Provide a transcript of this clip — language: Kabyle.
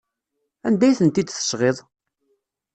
Anda ay tent-id-tesɣiḍ?